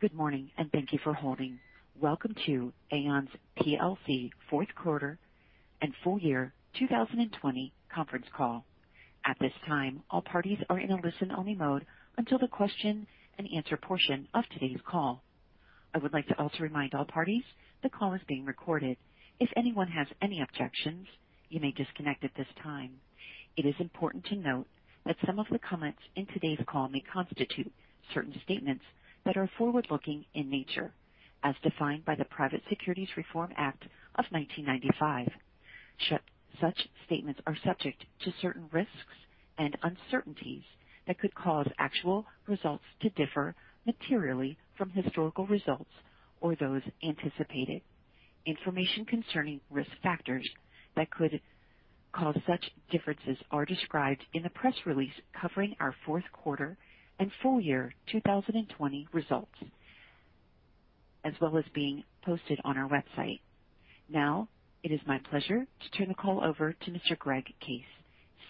Good morning, and thank you for holding. Welcome to Aon plc fourth quarter and full year 2020 conference call. At this time, all parties are in a listen-only mode until the question and answer portion of today's call. I would like to also remind all parties that the call is being recorded. If anyone has any objections, you may disconnect at this time. It is important to note that some of the comments in today's call may constitute certain statements that are forward-looking in nature, as defined by the Private Securities Litigation Reform Act of 1995. Such statements are subject to certain risks and uncertainties that could cause actual results to differ materially from historical results or those anticipated. Information concerning risk factors that could cause such differences are described in the press release covering our fourth quarter and full year 2020 results, as well as being posted on our website. Now, it is my pleasure to turn the call over to Mr. Greg Case,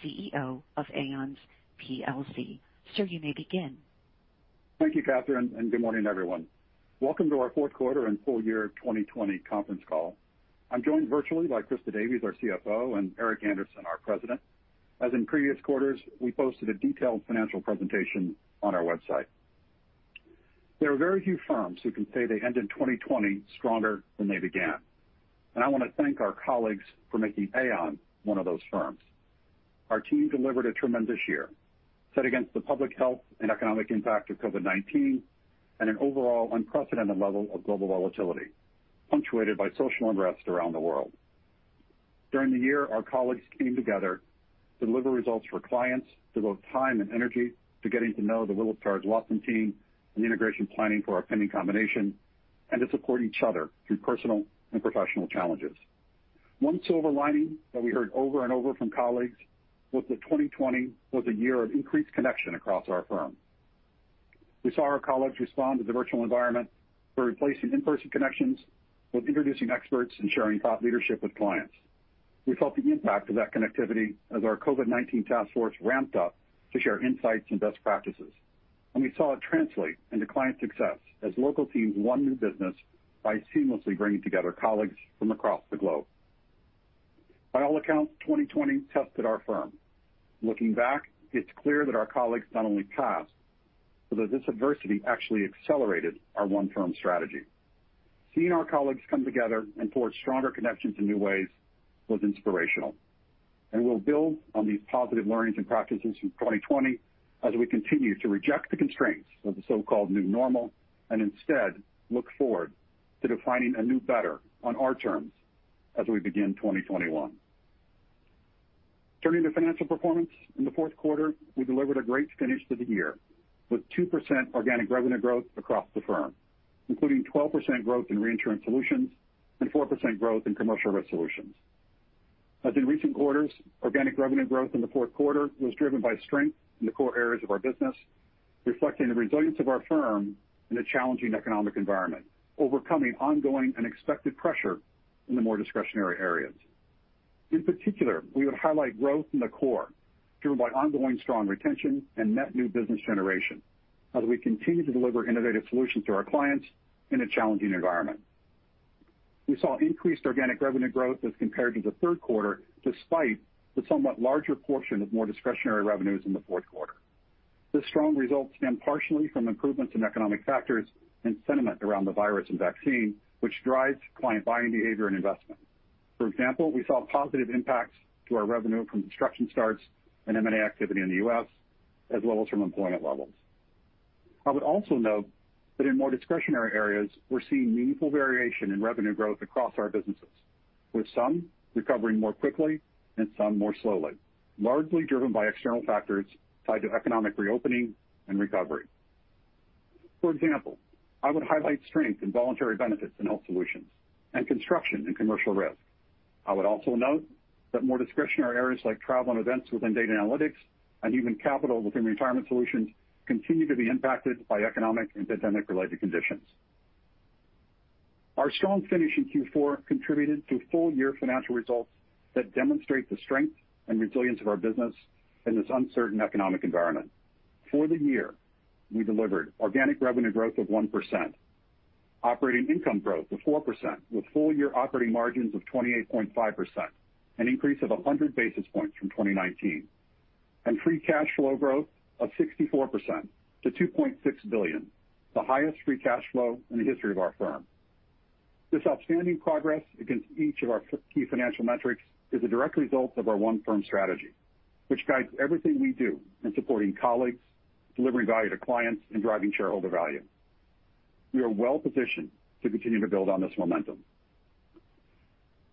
CEO of Aon plc. Sir, you may begin. Thank you, Catherine, and good morning, everyone. Welcome to our fourth quarter and full year 2020 conference call. I am joined virtually by Christa Davies, our CFO, and Eric Andersen, our President. As in previous quarters, we posted a detailed financial presentation on our website. There are very few firms who can say they ended 2020 stronger than they began, and I want to thank our colleagues for making Aon one of those firms. Our team delivered a tremendous year set against the public health and economic impact of COVID-19 and an overall unprecedented level of global volatility, punctuated by social unrest around the world. During the year, our colleagues came together to deliver results for clients, devote time and energy to getting to know the Willis Towers Watson team and the integration planning for our pending combination, and to support each other through personal and professional challenges. One silver lining that we heard over and over from colleagues was that 2020 was a year of increased connection across our firm. We saw our colleagues respond to the virtual environment by replacing in-person connections with introducing experts and sharing thought leadership with clients. We felt the impact of that connectivity as our COVID-19 task force ramped up to share insights and best practices. We saw it translate into client success as local teams won new business by seamlessly bringing together colleagues from across the globe. By all accounts, 2020 tested our firm. Looking back, it's clear that our colleagues not only passed, but that this adversity actually accelerated our one-firm strategy. Seeing our colleagues come together and forge stronger connections in new ways was inspirational. We'll build on these positive learnings and practices from 2020 as we continue to reject the constraints of the so-called new normal and instead look forward to defining a new better on our terms as we begin 2021. Turning to financial performance, in the fourth quarter, we delivered a great finish to the year with 2% organic revenue growth across the firm, including 12% growth in Reinsurance Solutions and 4% growth in Commercial Risk Solutions. As in recent quarters, organic revenue growth in the fourth quarter was driven by strength in the core areas of our business, reflecting the resilience of our firm in a challenging economic environment, overcoming ongoing and expected pressure in the more discretionary areas. In particular, we would highlight growth in the core driven by ongoing strong retention and net new business generation as we continue to deliver innovative solutions to our clients in a challenging environment. We saw increased organic revenue growth as compared to the third quarter, despite the somewhat larger portion of more discretionary revenues in the fourth quarter. The strong results stem partially from improvements in economic factors and sentiment around the virus and vaccine, which drives client buying behavior and investment. For example, we saw positive impacts to our revenue from construction starts and M&A activity in the U.S., as well as from employment levels. I would also note that in more discretionary areas, we're seeing meaningful variation in revenue growth across our businesses, with some recovering more quickly and some more slowly, largely driven by external factors tied to economic reopening and recovery. For example, I would highlight strength in voluntary benefits in Health Solutions and construction in Commercial Risk. I would also note that more discretionary areas like travel and events within Data Analytics and even capital within Retirement Solutions continue to be impacted by economic and pandemic-related conditions. Our strong finish in Q4 contributed to full-year financial results that demonstrate the strength and resilience of our business in this uncertain economic environment. For the year, we delivered organic revenue growth of 1%, operating income growth of 4% with full-year operating margins of 28.5%, an increase of 100 basis points from 2019. Free cash flow growth of 64% to $2.6 billion, the highest free cash flow in the history of our firm. This outstanding progress against each of our key financial metrics is a direct result of our one firm strategy, which guides everything we do in supporting colleagues, delivering value to clients, and driving shareholder value. We are well positioned to continue to build on this momentum.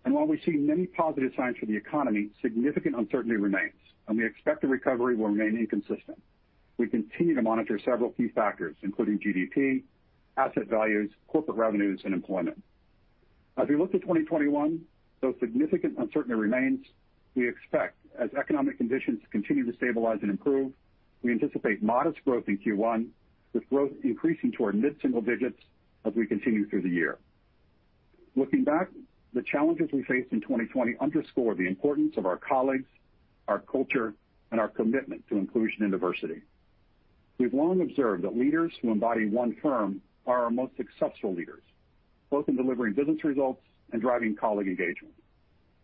While we see many positive signs for the economy, significant uncertainty remains, and we expect the recovery will remain inconsistent. We continue to monitor several key factors, including GDP, asset values, corporate revenues, and employment. As we look to 2021, though significant uncertainty remains, we expect as economic conditions continue to stabilize and improve, we anticipate modest growth in Q1, with growth increasing toward mid-single digits as we continue through the year. Looking back, the challenges we faced in 2020 underscore the importance of our colleagues, our culture, and our commitment to inclusion and diversity. We've long observed that leaders who embody one firm are our most successful leaders, both in delivering business results and driving colleague engagement.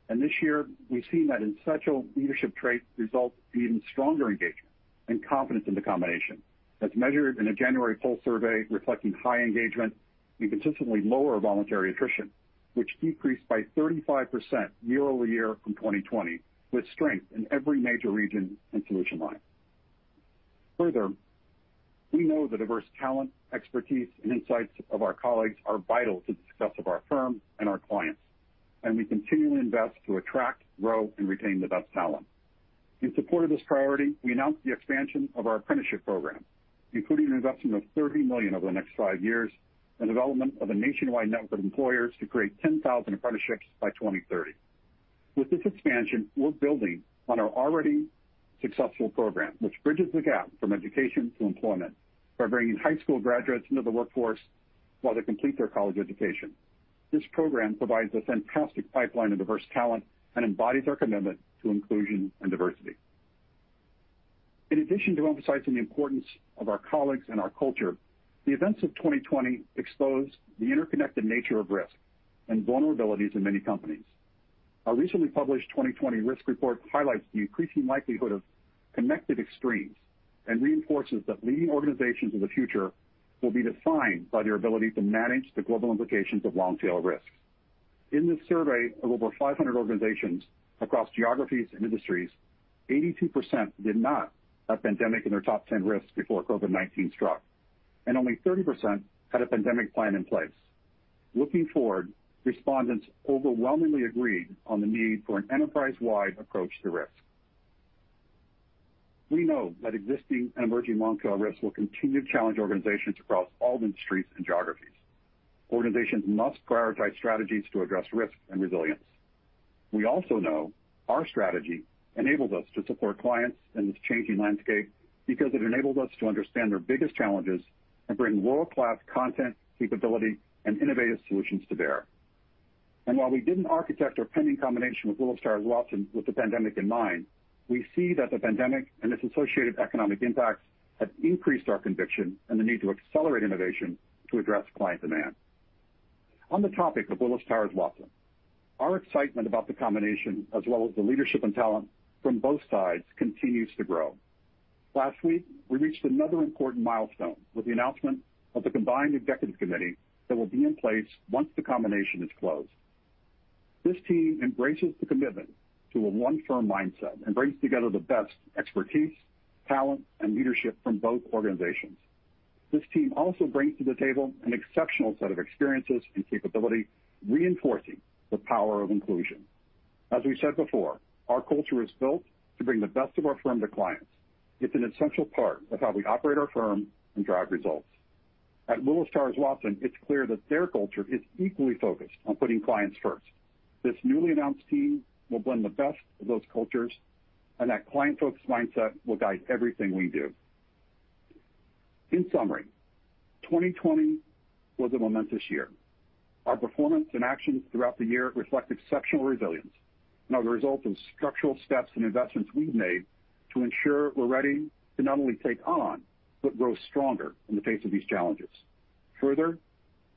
This year, we've seen that essential leadership traits result in even stronger engagement and confidence in the combination, as measured in a January pulse survey reflecting high engagement and consistently lower voluntary attrition, which decreased by 35% year-over-year from 2020, with strength in every major region and solution line. Further, we know the diverse talent, expertise, and insights of our colleagues are vital to the success of our firm and our clients, and we continually invest to attract, grow, and retain the best talent. In support of this priority, we announced the expansion of our apprenticeship program, including an investment of $30 million over the next five years and development of a nationwide network of employers to create 10,000 apprenticeships by 2030. With this expansion, we're building on our already successful program, which bridges the gap from education to employment by bringing high school graduates into the workforce while they complete their college education. This program provides a fantastic pipeline of diverse talent and embodies our commitment to inclusion and diversity. In addition to emphasizing the importance of our colleagues and our culture, the events of 2020 exposed the interconnected nature of risk and vulnerabilities in many companies. Our recently published 2020 risk report highlights the increasing likelihood of connected extremes and reinforces that leading organizations of the future will be defined by their ability to manage the global implications of long tail risks. In this survey of over 500 organizations across geographies and industries, 82% did not have pandemic in their top 10 risks before COVID-19 struck, and only 30% had a pandemic plan in place. Looking forward, respondents overwhelmingly agreed on the need for an enterprise-wide approach to risk. We know that existing and emerging long tail risks will continue to challenge organizations across all industries and geographies. Organizations must prioritize strategies to address risk and resilience. We also know our strategy enables us to support clients in this changing landscape because it enables us to understand their biggest challenges and bring world-class content, capability, and innovative solutions to bear. While we didn't architect our pending combination with Willis Towers Watson with the pandemic in mind, we see that the pandemic and its associated economic impacts have increased our conviction and the need to accelerate innovation to address client demand. On the topic of Willis Towers Watson, our excitement about the combination as well as the leadership and talent from both sides continues to grow. Last week, we reached another important milestone with the announcement of the combined executive committee that will be in place once the combination is closed. This team embraces the commitment to a one firm mindset and brings together the best expertise, talent, and leadership from both organizations. This team also brings to the table an exceptional set of experiences and capability, reinforcing the power of inclusion. As we said before, our culture is built to bring the best of our firm to clients. It's an essential part of how we operate our firm and drive results. At Willis Towers Watson, it's clear that their culture is equally focused on putting clients first. This newly announced team will blend the best of those cultures, and that client focus mindset will guide everything we do. In summary, 2020 was a momentous year. Our performance and actions throughout the year reflect exceptional resilience and are the result of structural steps and investments we've made to ensure we're ready to not only take on, but grow stronger in the face of these challenges. Further,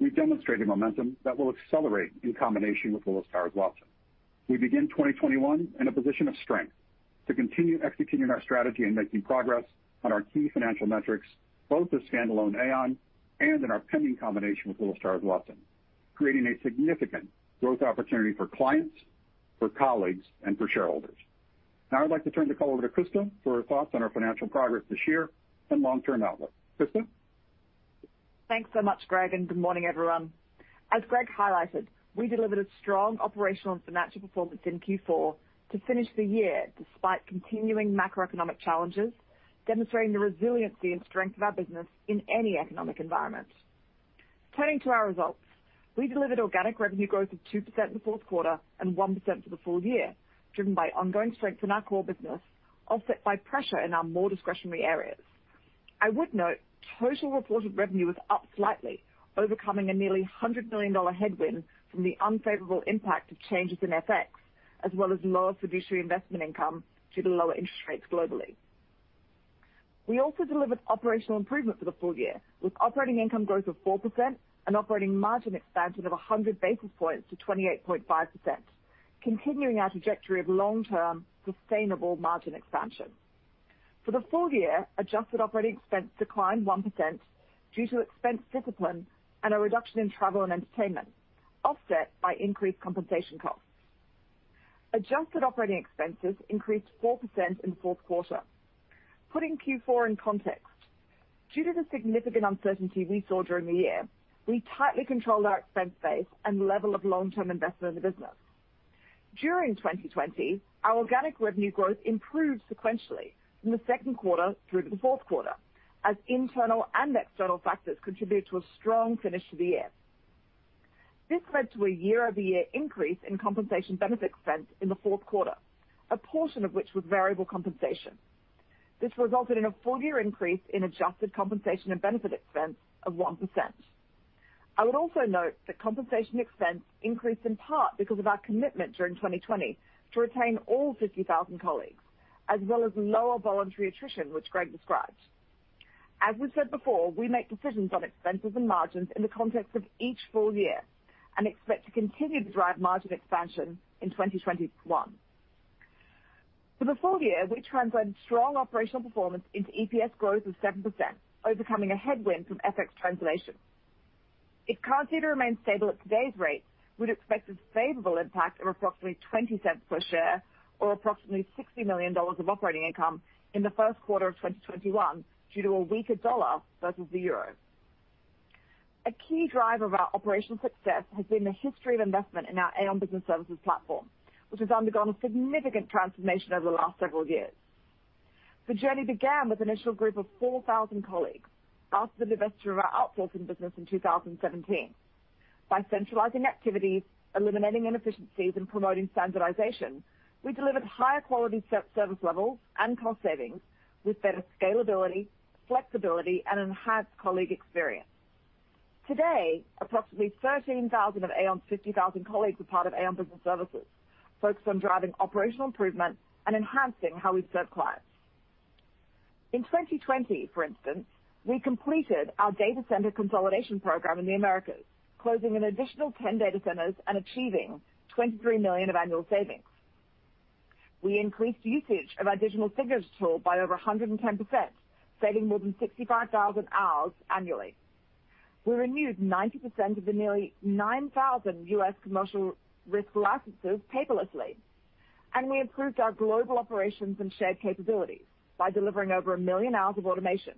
we've demonstrated momentum that will accelerate in combination with Willis Towers Watson. We begin 2021 in a position of strength to continue executing our strategy and making progress on our key financial metrics, both as standalone Aon and in our pending combination with Willis Towers Watson, creating a significant growth opportunity for clients, for colleagues, and for shareholders. Now I'd like to turn the call over to Christa for her thoughts on our financial progress this year and long-term outlook. Christa? Thanks so much, Greg. Good morning, everyone. As Greg highlighted, we delivered a strong operational and financial performance in Q4 to finish the year despite continuing macroeconomic challenges, demonstrating the resiliency and strength of our business in any economic environment. Turning to our results, we delivered organic revenue growth of 2% in the fourth quarter and 1% for the full year, driven by ongoing strength in our core business, offset by pressure in our more discretionary areas. I would note total reported revenue was up slightly, overcoming a nearly $100 million headwind from the unfavorable impact of changes in FX, as well as lower fiduciary investment income due to lower interest rates globally. We also delivered operational improvement for the full year with operating income growth of 4% and operating margin expansion of 100 basis points to 28.5%, continuing our trajectory of long-term sustainable margin expansion. For the full year, adjusted operating expense declined 1% due to expense discipline and a reduction in travel and entertainment, offset by increased compensation costs. Adjusted operating expenses increased 4% in the fourth quarter. Putting Q4 in context, due to the significant uncertainty we saw during the year, we tightly controlled our expense base and level of long-term investment in the business. During 2020, our organic revenue growth improved sequentially from the second quarter through to the fourth quarter as internal and external factors contributed to a strong finish to the year. This led to a year-over-year increase in compensation benefit expense in the fourth quarter, a portion of which was variable compensation. This resulted in a full-year increase in adjusted compensation and benefit expense of 1%. I would also note that compensation expense increased in part because of our commitment during 2020 to retain all 50,000 colleagues, as well as lower voluntary attrition, which Greg described. As we said before, we make decisions on expenses and margins in the context of each full year and expect to continue to drive margin expansion in 2021. For the full year, we translated strong operational performance into EPS growth of 7%, overcoming a headwind from FX translation. If currency remains stable at today's rate, we'd expect a favorable impact of approximately $0.20 per share or approximately $60 million of operating income in the first quarter of 2021 due to a weaker dollar versus the euro. A key driver of our operational success has been the history of investment in our Aon Business Services platform, which has undergone a significant transformation over the last several years. The journey began with an initial group of 4,000 colleagues after the divesture of our outsourcing business in 2017. By centralizing activities, eliminating inefficiencies, and promoting standardization, we delivered higher quality service levels and cost savings with better scalability, flexibility, and enhanced colleague experience. Today, approximately 13,000 of Aon's 50,000 colleagues are part of Aon Business Services, focused on driving operational improvement and enhancing how we serve clients. In 2020, for instance, we completed our data center consolidation program in the Americas, closing an additional 10 data centers and achieving $23 million of annual savings. We increased usage of our digital signatures tool by over 110%, saving more than 65,000 hours annually. We renewed 90% of the nearly 9,000 U.S. Commercial Risk licenses paperlessly, and we improved our global operations and shared capabilities by delivering over a million hours of automation,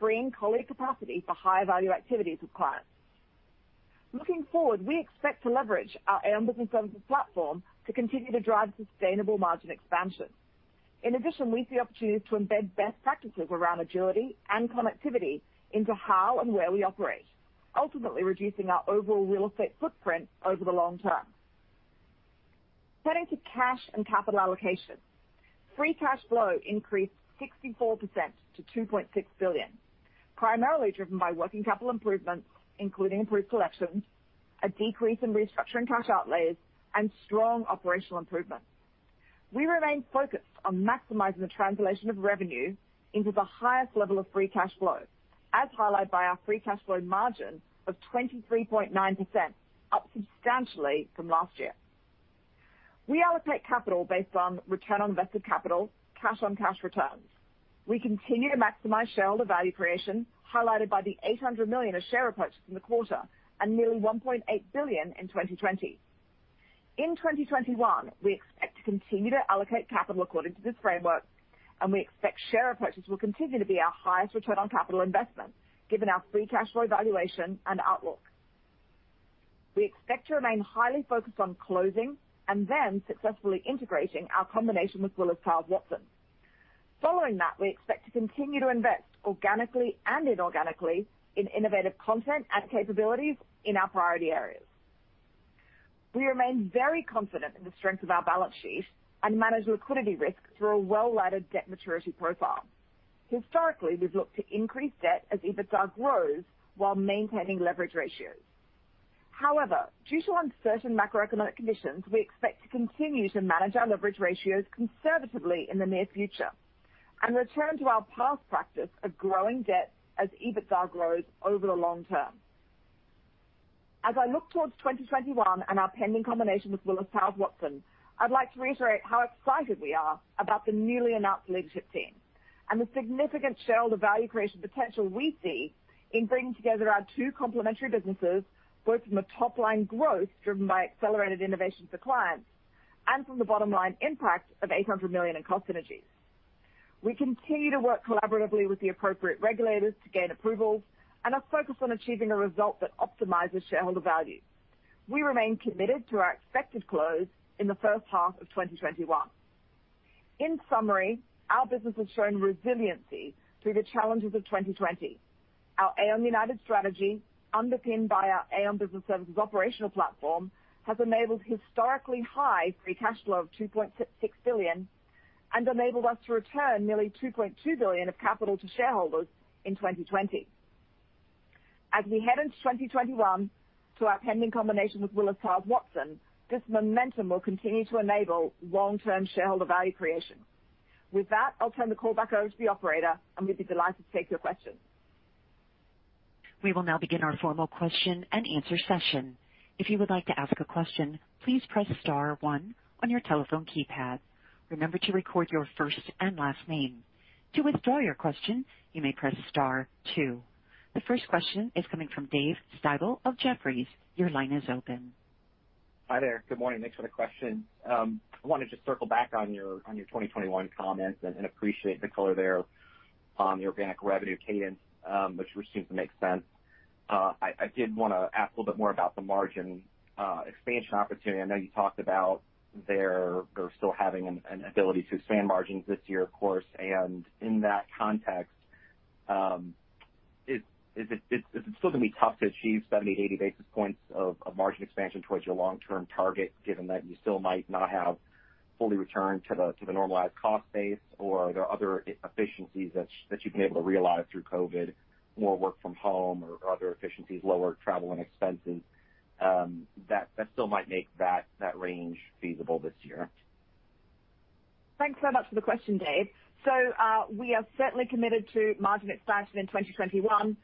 freeing colleague capacity for higher value activities with clients. Looking forward, we expect to leverage our Aon Business Services platform to continue to drive sustainable margin expansion. In addition, we see opportunities to embed best practices around agility and connectivity into how and where we operate, ultimately reducing our overall real estate footprint over the long term. Turning to cash and capital allocation. Free cash flow increased 64% to $2.6 billion, primarily driven by working capital improvements, including improved collections, a decrease in restructuring cash outlays, and strong operational improvements. We remain focused on maximizing the translation of revenue into the highest level of free cash flow, as highlighted by our free cash flow margin of 23.9%, up substantially from last year. We allocate capital based on return on invested capital, cash on cash returns. We continue to maximize shareholder value creation, highlighted by the $800 million of share repurchase in the quarter and nearly $1.8 billion in 2020. In 2021, we expect to continue to allocate capital according to this framework, and we expect share repurchase will continue to be our highest return on capital investment, given our free cash flow evaluation and outlook. We expect to remain highly focused on closing and then successfully integrating our combination with Willis Towers Watson. Following that, we expect to continue to invest organically and inorganically in innovative content and capabilities in our priority areas. We remain very confident in the strength of our balance sheet and manage liquidity risk through a well-laddered debt maturity profile. Historically, we've looked to increase debt as EBITDA grows while maintaining leverage ratios. However, due to uncertain macroeconomic conditions, we expect to continue to manage our leverage ratios conservatively in the near future and return to our past practice of growing debt as EBITDA grows over the long term. As I look towards 2021 and our pending combination with Willis Towers Watson, I'd like to reiterate how excited we are about the newly announced leadership team and the significant shareholder value creation potential we see in bringing together our two complementary businesses, both from a top-line growth driven by accelerated innovation for clients and from the bottom line impact of $800 million in cost synergies. We continue to work collaboratively with the appropriate regulators to gain approvals and are focused on achieving a result that optimizes shareholder value. We remain committed to our expected close in the first half of 2021. In summary, our business has shown resiliency through the challenges of 2020. Our Aon United strategy, underpinned by our Aon Business Services operational platform, has enabled historically high free cash flow of $2.6 billion and enabled us to return nearly $2.2 billion of capital to shareholders in 2020. As we head into 2021 to our pending combination with Willis Towers Watson, this momentum will continue to enable long-term shareholder value creation. With that, I'll turn the call back over to the operator, and we'd be delighted to take your questions. We will now begin our formal question and answer session. If you would like to ask a question, please press star one on your telephone keypad. Remember to record your first and last name. To withdraw your question, you may press star two. The first question is coming from Dave Styblo of Jefferies. Your line is open. Hi there. Good morning. Thanks for the question. I want to just circle back on your 2021 comments and appreciate the color there on the organic revenue cadence, which seems to make sense. I did want to ask a little bit more about the margin expansion opportunity. I know you talked about there still having an ability to expand margins this year, of course. In that context, is it still going to be tough to achieve 70 to 80 basis points of margin expansion towards your long-term target, given that you still might not have fully returned to the normalized cost base, or are there other efficiencies that you've been able to realize through COVID-19, more work from home or other efficiencies, lower travel and expenses, that still might make that range feasible this year? Thanks so much for the question, Dave. We are certainly committed to margin expansion in 2021.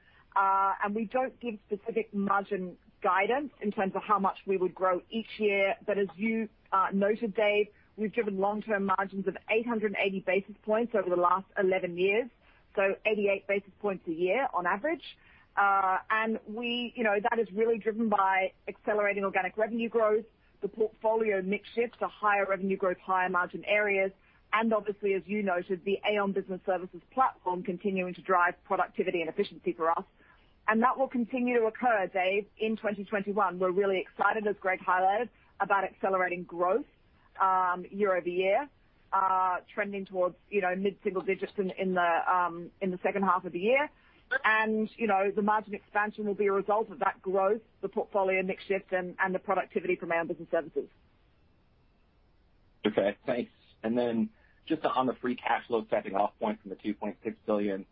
We don't give specific margin guidance in terms of how much we would grow each year. As you noted, Dave, we've driven long-term margins of 880 basis points over the last 11 years, so 88 basis points a year on average. That is really driven by accelerating organic revenue growth, the portfolio mix shift to higher revenue growth, higher margin areas, and obviously, as you noted, the Aon Business Services platform continuing to drive productivity and efficiency for us. That will continue to occur, Dave, in 2021. We're really excited, as Greg highlighted, about accelerating growth year-over-year, trending towards mid-single digits in the second half of the year. The margin expansion will be a result of that growth, the portfolio mix shift, and the productivity from Aon Business Services. Okay, thanks. Just on the free cash flow setting off point from the $2.6 billion,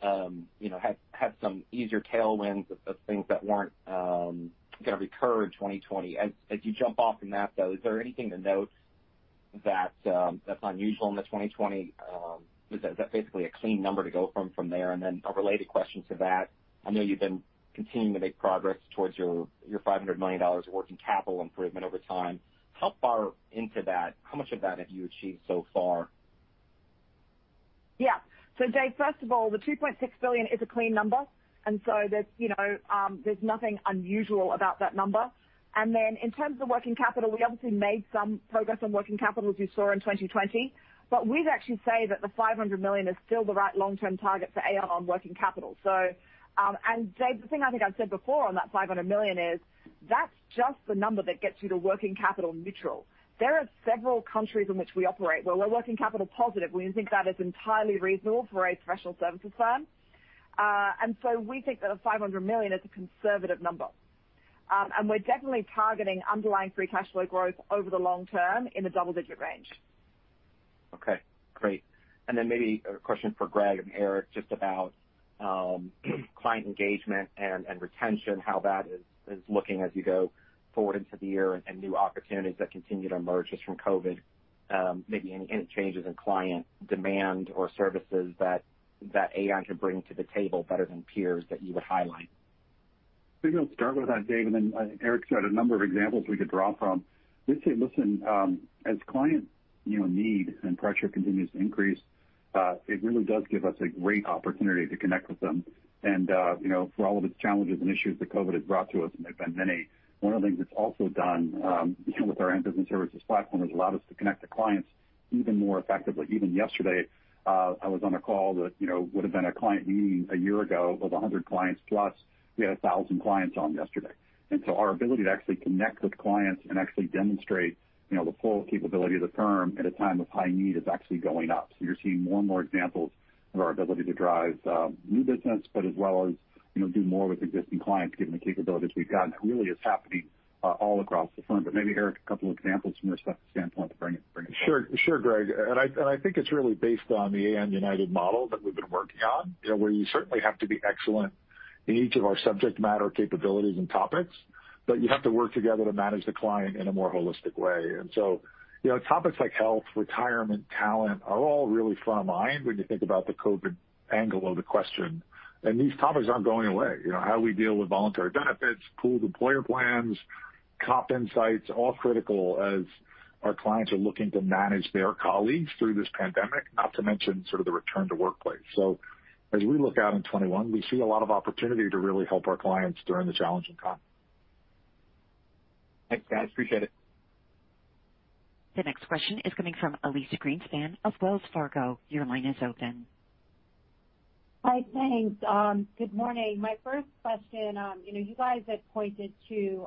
had some easier tailwinds of things that weren't going to recur in 2020. As you jump off from that, though, is there anything to note that's unusual in the 2020? Is that basically a clean number to go from there? A related question to that, I know you've been continuing to make progress towards your $500 million working capital improvement over time. How far into that, how much of that have you achieved so far? Dave, first of all, the $2.6 billion is a clean number, so there's nothing unusual about that number. Then in terms of working capital, we obviously made some progress on working capital, as you saw in 2020. We'd actually say that the $500 million is still the right long-term target for Aon working capital. Dave, the thing I think I've said before on that $500 million is that's just the number that gets you to working capital neutral. There are several countries in which we operate where we're working capital positive. We think that is entirely reasonable for a professional services firm. We think that a $500 million is a conservative number. We're definitely targeting underlying free cash flow growth over the long term in the double-digit range. Okay, great. Then maybe a question for Greg and Eric, just about client engagement and retention, how that is looking as you go forward into the year and new opportunities that continue to emerge just from COVID-19. Maybe any changes in client demand or services that Aon can bring to the table better than peers that you would highlight. Maybe I'll start with that, Dave, and then Eric's got a number of examples we could draw from. We'd say, listen, as client need and pressure continues to increase, it really does give us a great opportunity to connect with them. For all of the challenges and issues that COVID has brought to us, and there've been many, one of the things it's also done with our Aon Business Services platform is allowed us to connect to clients even more effectively. Even yesterday, I was on a call that would've been a client meeting a year ago of 100 clients plus. We had 1,000 clients on yesterday. Our ability to actually connect with clients and actually demonstrate the full capability of the firm at a time of high need is actually going up. You're seeing more and more examples of our ability to drive new business, but as well as do more with existing clients given the capabilities we've gotten. It really is happening all across the firm. Maybe Eric, a couple of examples from your standpoint to bring it home. Sure, Greg. I think it's really based on the Aon United model that we've been working on, where you certainly have to be excellent in each of our subject matter capabilities and topics, but you have to work together to manage the client in a more holistic way. Topics like health, retirement, talent are all really front of mind when you think about the COVID angle of the question. These topics aren't going away. How we deal with voluntary benefits, pooled employer plans, comp insights, all critical as our clients are looking to manage their colleagues through this pandemic, not to mention the return to workplace. As we look out in 2021, we see a lot of opportunity to really help our clients during the challenging time. Thanks, guys. Appreciate it. The next question is coming from Elyse Greenspan of Wells Fargo. Your line is open. Hi. Thanks. Good morning. My first question, you guys had pointed to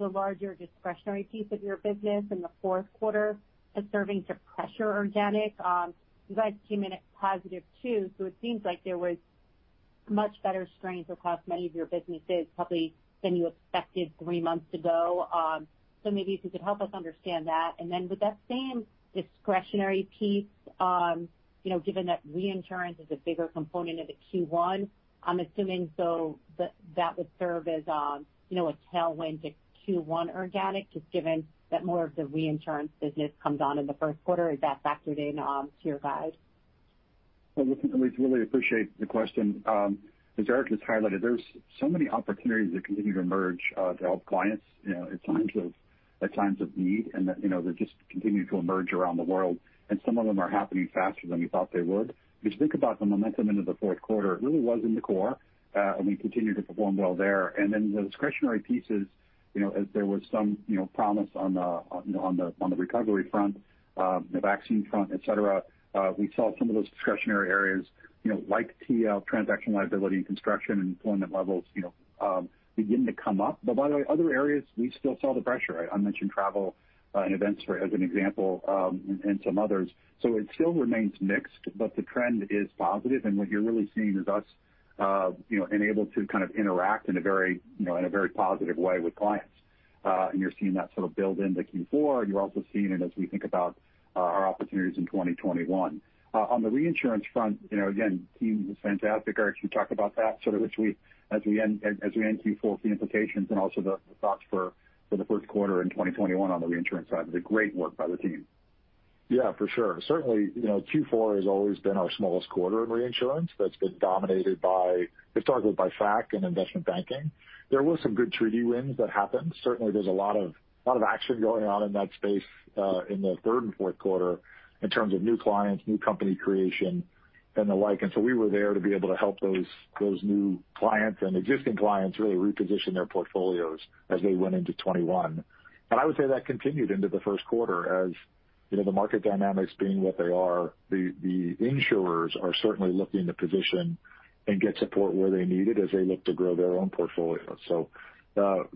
the larger discretionary piece of your business in the fourth quarter as serving to pressure organic. You guys came in at positive two, so it seems like there was much better strength across many of your businesses probably than you expected three months ago. Maybe if you could help us understand that. Then with that same discretionary piece, given that reinsurance is a bigger component of the Q1, I'm assuming, so that would serve as a tailwind to Q1 organic, just given that more of the reinsurance business comes on in the first quarter. Is that factored into your guide? Well, listen, Elyse, really appreciate the question. As Eric has highlighted, there's so many opportunities that continue to emerge to help clients at times of need and that they're just continuing to emerge around the world, and some of them are happening faster than we thought they would. If you think about the momentum into the fourth quarter, it really was in the core, and we continued to perform well there. The discretionary pieces, as there was some promise on the recovery front, the vaccine front, et cetera, we saw some of those discretionary areas, like TL, transaction liability and construction and employment levels begin to come up. By the way, other areas, we still saw the pressure. I mentioned travel and events as an example, and some others. It still remains mixed, but the trend is positive. What you're really seeing is us enabled to interact in a very positive way with clients. You're seeing that sort of build in the Q4. You're also seeing it as we think about our opportunities in 2021. On the reinsurance solutions, again, the team is fantastic. Eric can talk about that, as we end Q4, the implications and also the thoughts for the first quarter in 2021 on the reinsurance solutions. It's great work by the team. Yeah, for sure. Certainly, Q4 has always been our smallest quarter in reinsurance. That's been dominated historically by fac and investment banking. There were some good treaty wins that happened. Certainly, there's a lot of action going on in that space in the third and fourth quarter in terms of new clients, new company creation, and the like. We were there to be able to help those new clients and existing clients really reposition their portfolios as they went into 2021. I would say that continued into the first quarter as the market dynamics being what they are, the insurers are certainly looking to position and get support where they need it as they look to grow their own portfolio.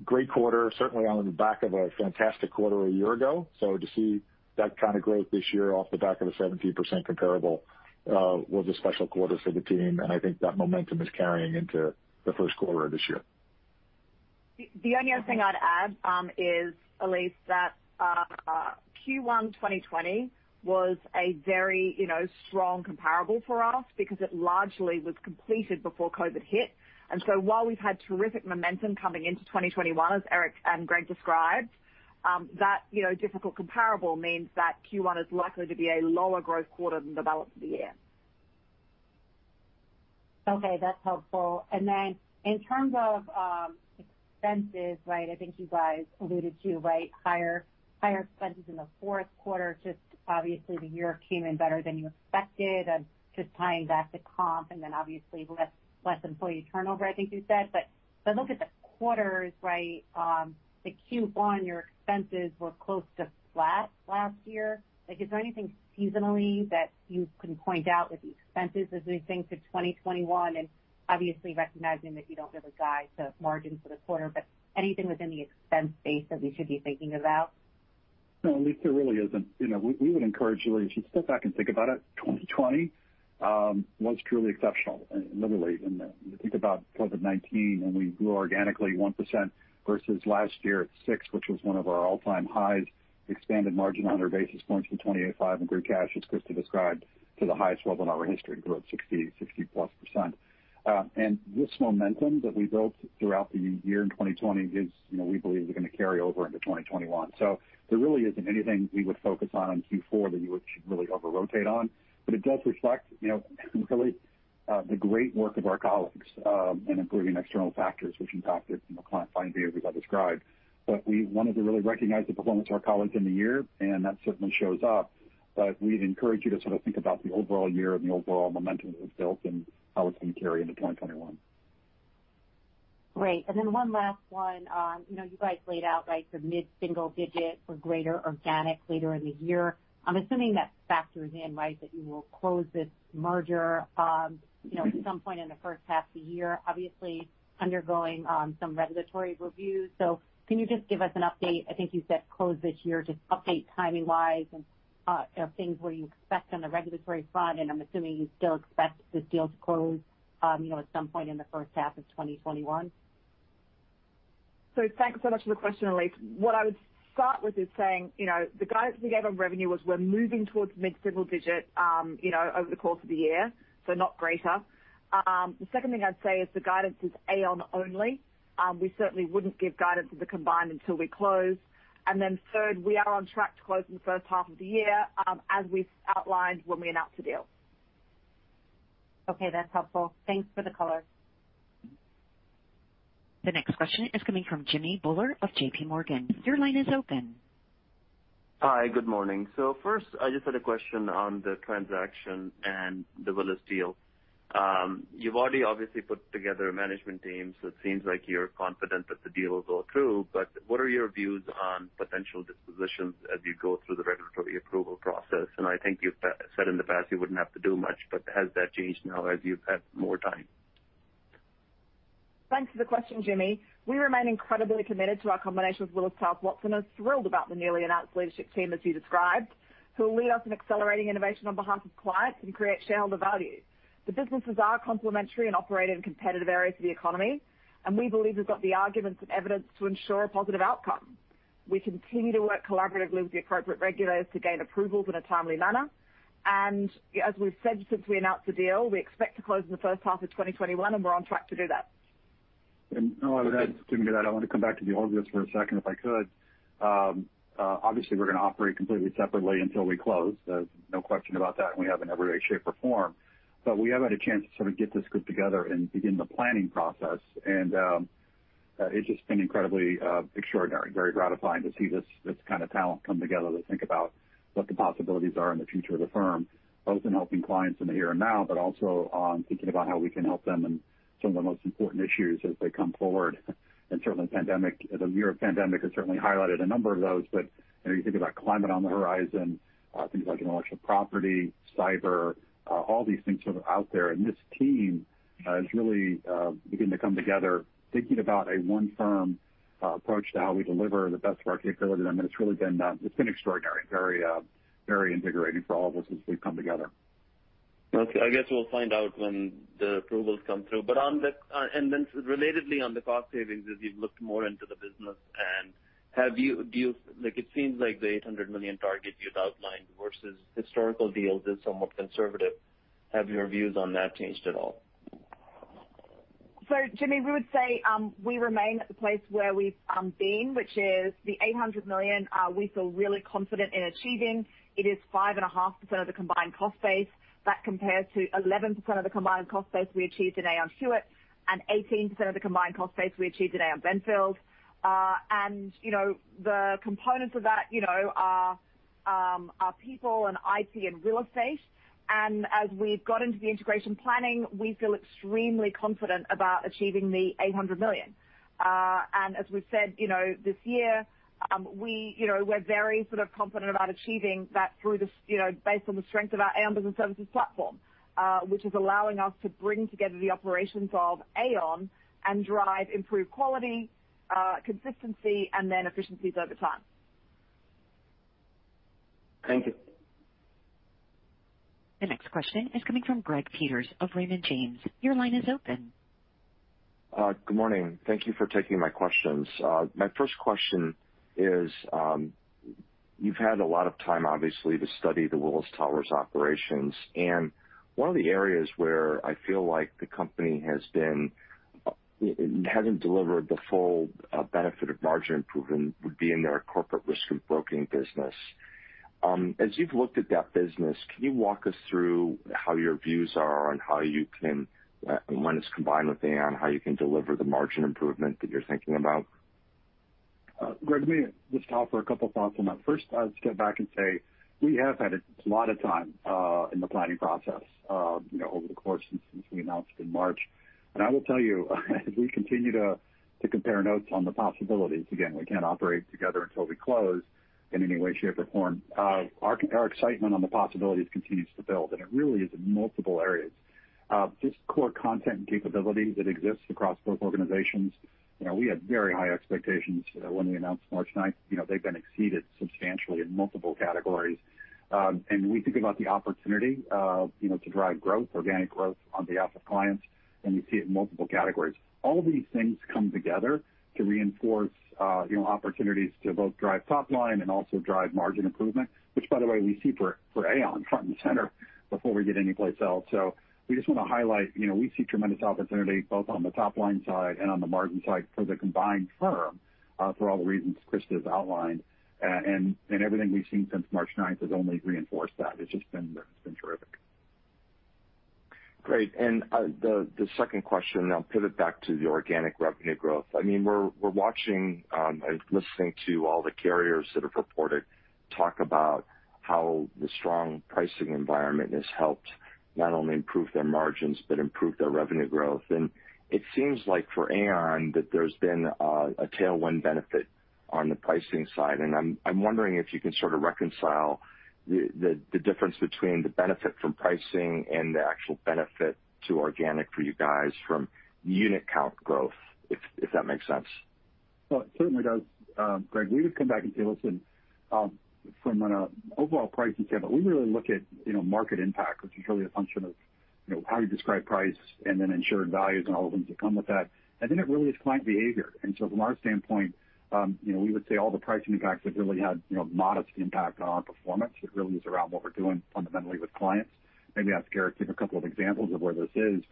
Great quarter, certainly on the back of a fantastic quarter a year ago. To see that kind of growth this year off the back of a 17% comparable was a special quarter for the team. I think that momentum is carrying into the first quarter of this year. The only other thing I'd add is, Elyse, that Q1 2020 was a very strong comparable for us because it largely was completed before COVID hit. While we've had terrific momentum coming into 2021, as Eric and Greg described, that difficult comparable means that Q1 is likely to be a lower growth quarter than the balance of the year. That's helpful. In terms of expenses, I think you guys alluded to higher expenses in the fourth quarter, just obviously the year came in better than you expected, just tying back to comp and then obviously less employee turnover, I think you said. If I look at the quarters, the Q1, your expenses were close to flat last year. Is there anything seasonally that you can point out with the expenses as we think to 2021? Obviously recognizing that you don't give a guide to margin for the quarter, but anything within the expense base that we should be thinking about? No, Elyse, there really isn't. We would encourage you, Elyse, to step back and think about it. 2020 was truly exceptional, literally. When you think about COVID-19, when we grew organically 1% versus last year at 6%, which was one of our all-time highs, expanded margin on our basis points from 28.5 in group cash, as Christa described, to the highest level in our history, it grew at 60-plus%. This momentum that we built throughout the year in 2020 is, we believe, is going to carry over into 2021. There really isn't anything we would focus on Q4 that you should really over-rotate on. It does reflect simply the great work of our colleagues in improving external factors which impacted client volumes, as we've described. We wanted to really recognize the performance of our colleagues in the year, and that certainly shows up. We'd encourage you to think about the overall year and the overall momentum that was built and how it's going to carry into 2021. Great. One last one. You guys laid out the mid-single digit or greater organic later in the year. I'm assuming that factors in that you will close this merger at some point in the first half of the year. Obviously undergoing some regulatory reviews. Can you just give us an update? I think you said close this year. Just update timing-wise and things, what do you expect on the regulatory front, and I'm assuming you still expect this deal to close at some point in the first half of 2021. Thanks so much for the question, Elyse. What I would start with is saying, the guidance we gave on revenue was we're moving towards mid-single digit over the course of the year, so not greater. The second thing I'd say is the guidance is Aon only. We certainly wouldn't give guidance as a combined until we close. Third, we are on track to close in the first half of the year, as we've outlined when we announced the deal. Okay, that's helpful. Thanks for the color. The next question is coming from Jimmy Bhullar of JPMorgan. Your line is open. Hi, good morning. First, I just had a question on the transaction and the Willis deal. You've already obviously put together a management team, so it seems like you're confident that the deal will go through. What are your views on potential dispositions as you go through the regulatory approval process? I think you've said in the past you wouldn't have to do much, but has that changed now as you've had more time? Thanks for the question, Jimmy. We remain incredibly committed to our combination with Willis Towers Watson and are thrilled about the newly announced leadership team, as you described, who will lead us in accelerating innovation on behalf of clients and create shareholder value. The businesses are complementary and operate in competitive areas of the economy, and we believe we've got the arguments and evidence to ensure a positive outcome. We continue to work collaboratively with the appropriate regulators to gain approvals in a timely manner. As we've said since we announced the deal, we expect to close in the first half of 2021, and we're on track to do that. Jimmy, to that, I want to come back to the org list for a second, if I could. Obviously, we're going to operate completely separately until we close. There's no question about that, and we have in every way, shape, or form. We have had a chance to sort of get this group together and begin the planning process, and it's just been incredibly extraordinary, very gratifying to see this kind of talent come together to think about what the possibilities are in the future of the firm. Both in helping clients in the here and now, but also on thinking about how we can help them in some of the most important issues as they come forward. Certainly the year of pandemic has certainly highlighted a number of those. You think about climate on the horizon, things like intellectual property, cyber, all these things sort of out there. This team is really beginning to come together, thinking about a one-firm approach to how we deliver the best of our capabilities. I mean, it's been extraordinary. Very invigorating for all of us as we've come together. Okay. I guess we'll find out when the approvals come through. Relatedly on the cost savings, as you've looked more into the business, it seems like the $800 million target you've outlined versus historical deals is somewhat conservative. Have your views on that changed at all? Jimmy, we would say, we remain at the place where we've been, which is the $800 million we feel really confident in achieving. It is 5.5% of the combined cost base. That compares to 11% of the combined cost base we achieved at Aon Hewitt, and 18% of the combined cost base we achieved at Aon Benfield. The components of that are people and IT and real estate. As we've got into the integration planning, we feel extremely confident about achieving the $800 million. As we've said, this year, we're very confident about achieving that based on the strength of our Aon Business Services platform, which is allowing us to bring together the operations of Aon and drive improved quality, consistency, and then efficiencies over time. Thank you. The next question is coming from Greg Peters of Raymond James. Your line is open. Good morning. Thank you for taking my questions. My first question is, you've had a lot of time, obviously, to study the Willis Towers Watson operations, and one of the areas where I feel like the company hasn't delivered the full benefit of margin improvement would be in their Corporate Risk and Broking business. As you've looked at that business, can you walk us through how your views are on how you can, when it's combined with Aon, how you can deliver the margin improvement that you're thinking about? Greg, let me just offer a couple thoughts on that. First, let's go back and say we have had a lot of time in the planning process over the course since we announced in March. I will tell you, as we continue to compare notes on the possibilities, again, we can't operate together until we close in any way, shape, or form. Our excitement on the possibilities continues to build. It really is in multiple areas. Just core content and capabilities that exist across both organizations. We had very high expectations when we announced March 9th. They've been exceeded substantially in multiple categories. We think about the opportunity to drive growth, organic growth on behalf of clients. We see it in multiple categories. All these things come together to reinforce opportunities to both drive top line and also drive margin improvement, which by the way, we see for Aon front and center before we get anyplace else. We just want to highlight, we see tremendous opportunities both on the top-line side and on the margin side for the combined firm, for all the reasons Christa has outlined. Everything we've seen since March 9th has only reinforced that. It's just been terrific. Great. The second question, I'll pivot back to the organic revenue growth. We're watching and listening to all the carriers that have reported talk about how the strong pricing environment has helped not only improve their margins but improve their revenue growth. It seems like for Aon, that there's been a tailwind benefit on the pricing side, and I'm wondering if you can sort of reconcile the difference between the benefit from pricing and the actual benefit to organic for you guys from unit count growth, if that makes sense. Well, it certainly does. Greg, we would come back and say, listen, from an overall pricing standpoint, we really look at market impact, which is really a function of how you describe price and then insured values and all the things that come with that. It really is client behavior. From our standpoint, we would say all the pricing impacts have really had modest impact on our performance. It really is around what we're doing fundamentally with clients. Maybe ask Eric to give a couple of examples of where this is.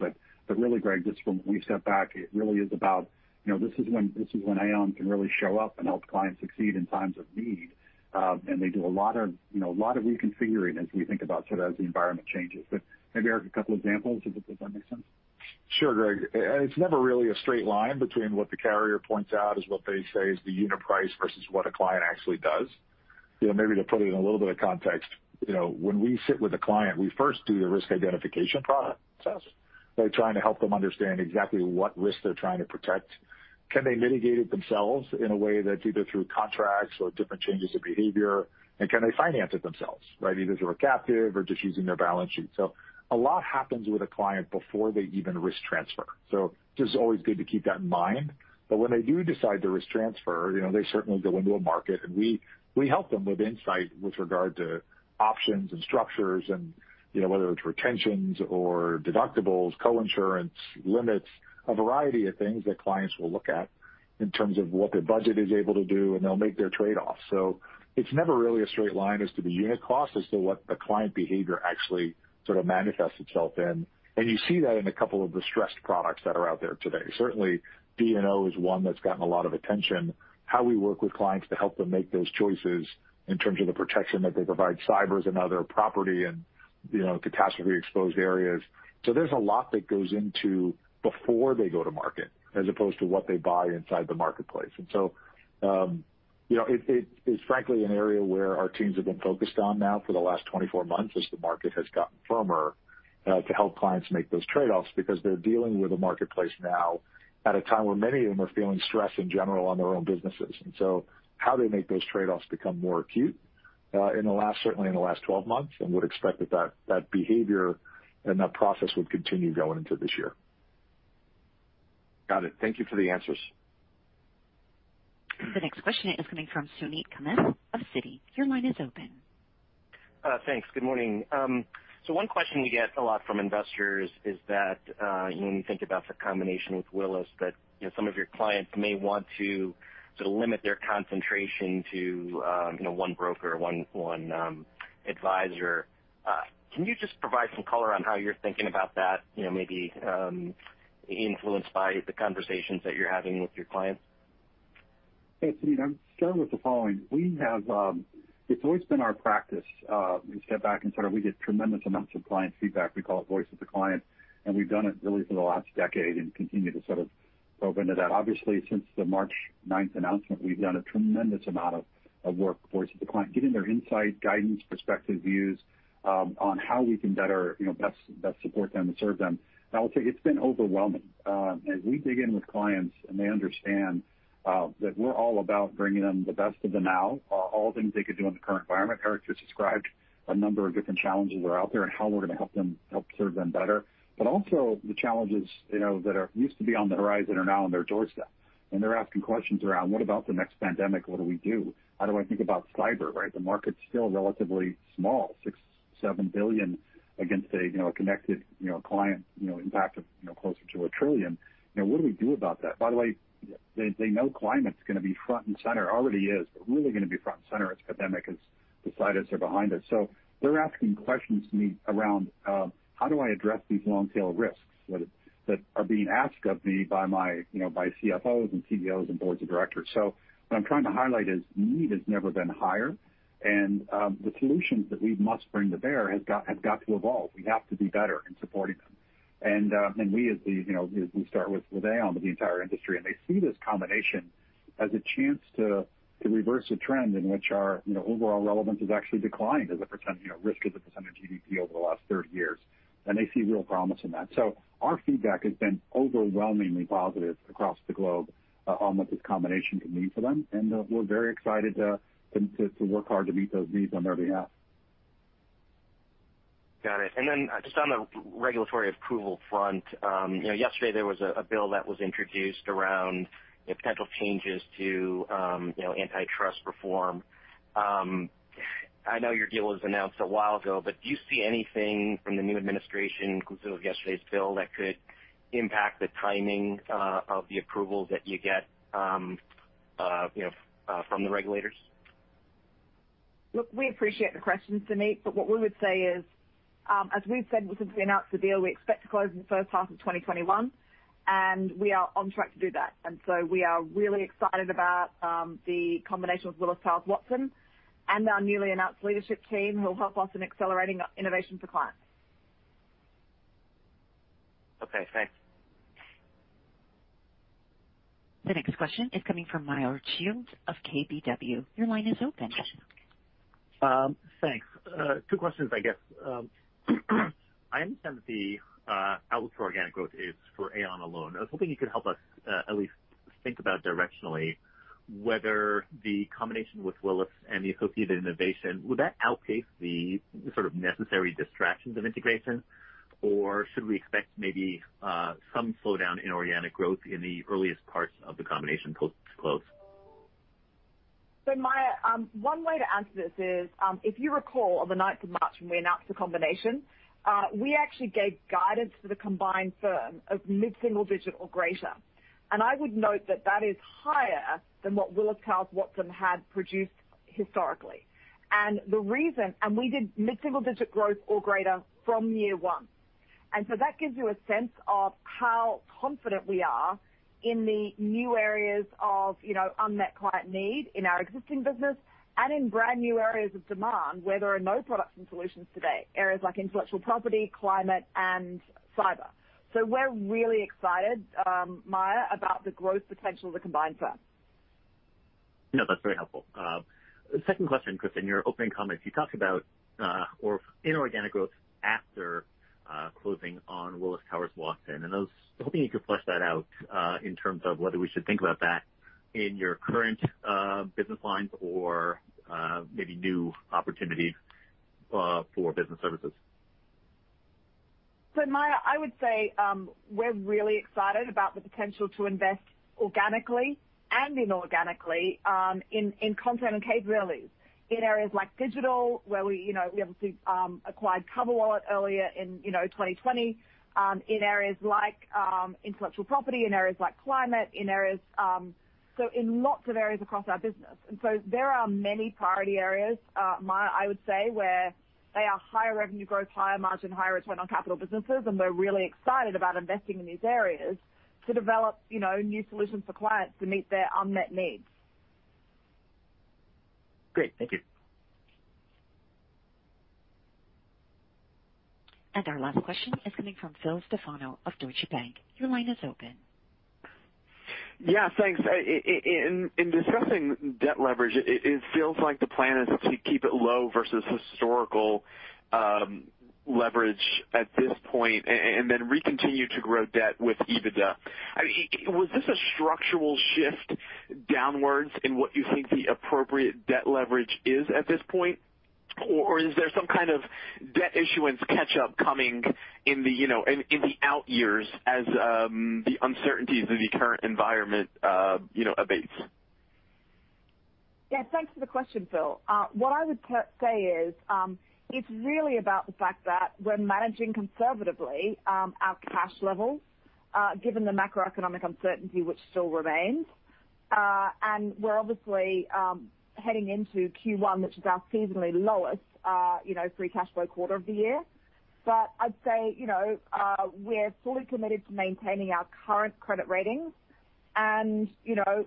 Really, Greg, just from when we step back, it really is about this is when Aon can really show up and help clients succeed in times of need. They do a lot of reconfiguring as we think about as the environment changes. Maybe, Eric, a couple examples, if that makes sense. Sure, Greg. It's never really a straight line between what the carrier points out as what they say is the unit price versus what a client actually does. To put it in a little bit of context, when we sit with a client, we first do the risk identification process by trying to help them understand exactly what risk they're trying to protect. Can they mitigate it themselves in a way that's either through contracts or different changes of behavior? Can they finance it themselves, either through a captive or just using their balance sheet? A lot happens with a client before they even risk transfer. Just always good to keep that in mind. When they do decide to risk transfer, they certainly go into a market, and we help them with insight with regard to options and structures and whether it's retentions or deductibles, co-insurance limits, a variety of things that clients will look at in terms of what their budget is able to do, and they'll make their trade-offs. It's never really a straight line as to the unit cost, as to what the client behavior actually sort of manifests itself in. You see that in a couple of the stressed products that are out there today. Certainly, D&O is one that's gotten a lot of attention. How we work with clients to help them make those choices in terms of the protection that they provide, cyber and other property, and catastrophe exposed areas. There's a lot that goes into before they go to market as opposed to what they buy inside the marketplace. It is frankly an area where our teams have been focused on now for the last 24 months as the market has gotten firmer, to help clients make those trade-offs because they're dealing with a marketplace now at a time where many of them are feeling stress in general on their own businesses. How they make those trade-offs become more acute, certainly in the last 12 months, and would expect that that behavior and that process would continue going into this year. Got it. Thank you for the answers. The next question is coming from Suneet Kamath of Citi. Your line is open. Thanks. Good morning. One question we get a lot from investors is that when you think about the combination with Willis, that some of your clients may want to limit their concentration to one broker, one advisor. Can you just provide some color on how you're thinking about that, maybe influenced by the conversations that you're having with your clients? Hey, Suneet. I'll start with the following. It's always been our practice, we step back and we get tremendous amounts of client feedback. We call it voice of the client, and we've done it really for the last decade and continue to open to that. Obviously, since the March 9th announcement, we've done a tremendous amount of voice of the client, getting their insight, guidance, perspective, views, on how we can better support them and serve them. I will tell you, it's been overwhelming. As we dig in with clients and they understand that we're all about bringing them the best of the now, all the things they could do in the current environment. Eric just described a number of different challenges that are out there and how we're going to help serve them better. Also the challenges that used to be on the horizon are now on their doorstep, and they're asking questions around what about the next pandemic? What do we do? How do I think about cyber, right? The market's still relatively small, six, $7 billion against a connected client impact of closer to $1 trillion. What do we do about that? They know climate's going to be front and center. Already is. Really going to be front and center as pandemic is beside us or behind us. They're asking questions to me around how do I address these long tail risks that are being asked of me by CFOs and CEOs and boards of directors. What I'm trying to highlight is need has never been higher, and the solutions that we must bring to bear has got to evolve. We have to be better in supporting them. We start with Aon, but the entire industry, and they see this combination as a chance to reverse a trend in which our overall relevance has actually declined as a risk as a percentage of GDP over the last 30 years. They see real promise in that. Our feedback has been overwhelmingly positive across the globe on what this combination can mean for them. We're very excited to work hard to meet those needs on their behalf. Got it. Just on the regulatory approval front, yesterday there was a bill that was introduced around potential changes to antitrust reform. I know your deal was announced a while ago, do you see anything from the new administration, inclusive of yesterday's bill, that could impact the timing of the approvals that you get from the regulators? Look, we appreciate the question, Suneet, but what we would say is as we've said since we announced the deal, we expect to close in the first half of 2021, and we are on track to do that. We are really excited about the combination with Willis Towers Watson and our newly announced leadership team who will help us in accelerating innovation for clients. Okay. Thanks. The next question is coming from Meyer Shields of KBW. Your line is open. Thanks. Two questions, I guess. I understand that the outlook for organic growth is for Aon alone. I was hoping you could help us at least think about directionally whether the combination with Willis and the associated innovation, would that outpace the necessary distractions of integration, or should we expect maybe some slowdown in organic growth in the earliest parts of the combination post-close? Meyer, one way to answer this is, if you recall on the 9th of March when we announced the combination, we actually gave guidance for the combined firm of mid-single digit or greater. I would note that that is higher than what Willis Towers Watson had produced historically. We did mid-single digit growth or greater from year one. That gives you a sense of how confident we are in the new areas of unmet client need in our existing business and in brand new areas of demand where there are no products and solutions today, areas like intellectual property, climate and cyber. We're really excited, Meyer, about the growth potential of the combined firm. That's very helpful. Second question, Christa, your opening comments you talked about inorganic growth after closing on Willis Towers Watson, and I was hoping you could flesh that out, in terms of whether we should think about that in your current business lines or maybe new opportunities for business services. Meyer, I would say, we're really excited about the potential to invest organically and inorganically in content and capability. In areas like digital, where we have acquired CoverWallet earlier in 2020, in areas like intellectual property, in areas like climate. In lots of areas across our business. There are many priority areas, Meyer, I would say, where they are higher revenue growth, higher margin, higher return on capital businesses, and we're really excited about investing in these areas to develop new solutions for clients to meet their unmet needs. Great. Thank you. Our last question is coming from Phil Stefano of Deutsche Bank. Your line is open. Yeah, thanks. In discussing debt leverage, it feels like the plan is to keep it low versus historical leverage at this point and then re-continue to grow debt with EBITDA. Was this a structural shift downwards in what you think the appropriate debt leverage is at this point? Is there some kind of debt issuance catch-up coming in the out years as the uncertainties of the current environment abates? Yeah, thanks for the question, Phil. What I would say is, it's really about the fact that we're managing conservatively our cash levels, given the macroeconomic uncertainty which still remains. We're obviously heading into Q1, which is our seasonally lowest free cash flow quarter of the year. I'd say we're fully committed to maintaining our current credit rating and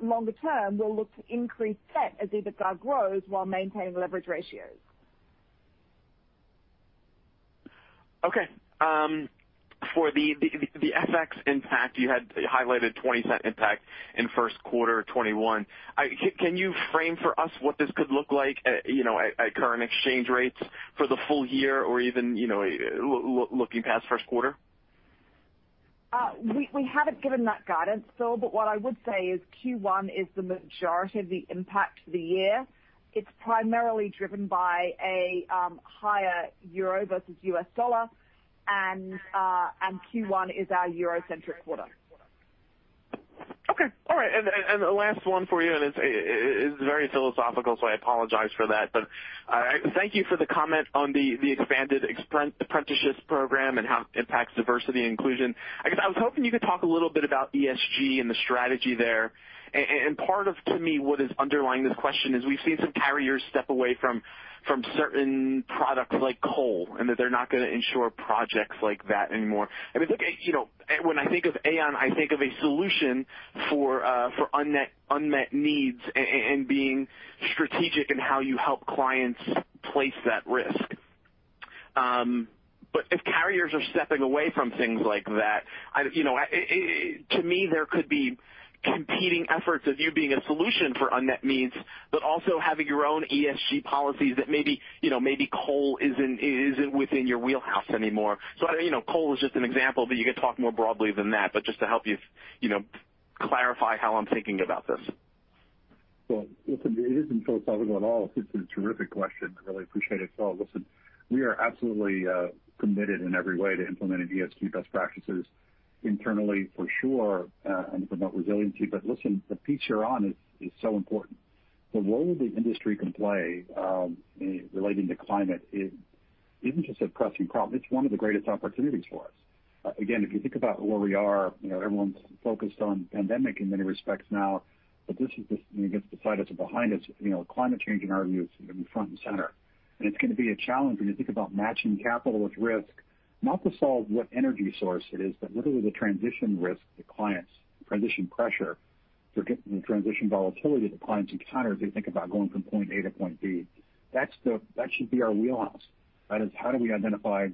longer term, we'll look to increase debt as EBITDA grows while maintaining leverage ratios. For the FX impact, you had highlighted $0.20 impact in first quarter 2021. Can you frame for us what this could look like at current exchange rates for the full year or even looking past first quarter? We haven't given that guidance, Phil, but what I would say is Q1 is the majority of the impact for the year. It's primarily driven by a higher euro versus US dollar, and Q1 is our euro-centric quarter. Okay. All right, the last one for you, it is very philosophical, so I apologize for that. Thank you for the comment on the expanded apprenticeship program and how it impacts diversity inclusion. I guess I was hoping you could talk a little bit about ESG and the strategy there. Part of, to me, what is underlying this question is we see some carriers step away from certain products like coal, and that they're not going to insure projects like that anymore. When I think of Aon, I think of a solution for unmet needs and being strategic in how you help clients place that risk. If carriers are stepping away from things like that, to me, there could be competing efforts of you being a solution for unmet needs, but also having your own ESG policies that maybe coal isn't within your wheelhouse anymore. Coal is just an example, but you could talk more broadly than that. Just to help you clarify how I'm thinking about this. Listen, it isn't philosophical at all. It's a terrific question. I really appreciate it, Phil. Listen, we are absolutely committed in every way to implementing ESG best practices internally for sure, and to promote resiliency. Listen, the piece you're on is so important. The role the industry can play relating to climate isn't just a pressing problem, it's one of the greatest opportunities for us. Again, if you think about where we are, everyone's focused on pandemic in many respects now, but this is just gets beside us or behind us. Climate change, in our view, is going to be front and center. It's going to be a challenge when you think about matching capital with risk, not to solve what energy source it is, but literally the transition risk to clients, transition pressure, the transition volatility that clients encounter as they think about going from point A to point B. That should be our wheelhouse. That is, how do we identify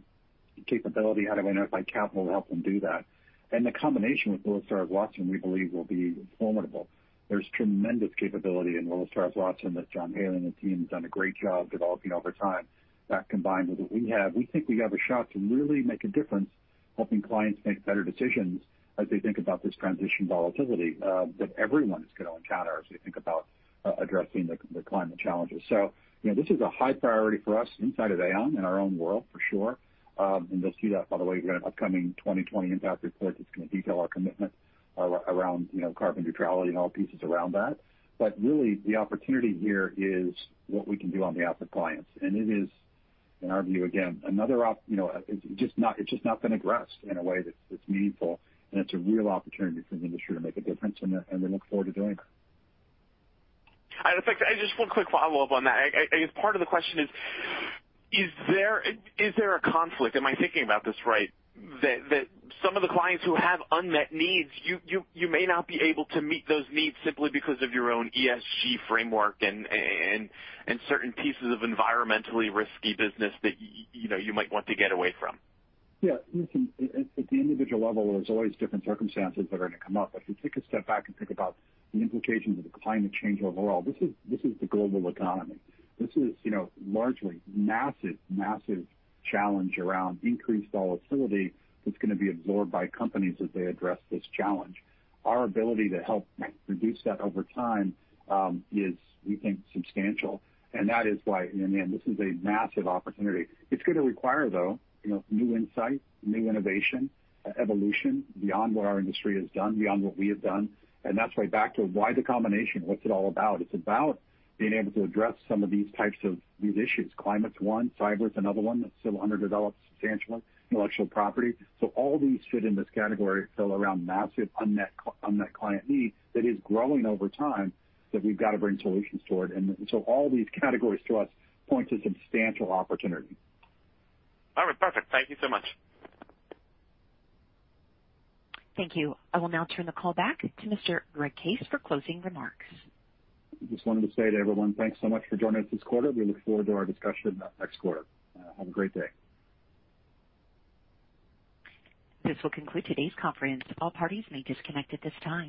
capability? How do we identify capital to help them do that? The combination with Willis Towers Watson, we believe will be formidable. There's tremendous capability in Willis Towers Watson that John Haley and team have done a great job developing over time. That combined with what we have, we think we have a shot to really make a difference helping clients make better decisions as they think about this transition volatility that everyone is going to encounter as we think about addressing the climate challenges. This is a high priority for us inside of Aon, in our own world, for sure. You'll see that, by the way, we have an upcoming 2020 Impact Report that's going to detail our commitment around carbon neutrality and all the pieces around that. Really, the opportunity here is what we can do on behalf of clients. It is, in our view, again, it's just not been addressed in a way that's meaningful, and it's a real opportunity for the industry to make a difference, and we look forward to doing that. Just one quick follow-up on that. I guess part of the question is there a conflict? Am I thinking about this right, that some of the clients who have unmet needs, you may not be able to meet those needs simply because of your own ESG framework and certain pieces of environmentally risky business that you might want to get away from? Listen, at the individual level, there's always different circumstances that are going to come up. If you take a step back and think about the implications of climate change overall, this is the global economy. This is largely massive challenge around increased volatility that's going to be absorbed by companies as they address this challenge. Our ability to help reduce that over time is, we think, substantial. That is why, again, this is a massive opportunity. It's going to require, though, new insight, new innovation, evolution beyond what our industry has done, beyond what we have done. That's why back to why the combination, what's it all about? It's about being able to address some of these types of these issues. Climate's one, cyber is another one that's still underdeveloped substantially, intellectual property. All these fit in this category, Phil, around massive unmet client need that is growing over time that we’ve got to bring solutions toward. All these categories to us point to substantial opportunity. All right. Perfect. Thank you so much. Thank you. I will now turn the call back to Mr. Greg Case for closing remarks. I just wanted to say to everyone, thanks so much for joining us this quarter. We look forward to our discussion next quarter. Have a great day. This will conclude today's conference. All parties may disconnect at this time.